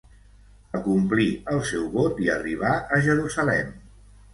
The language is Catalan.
Acomplí el seu vot i arribà a Jerusalem.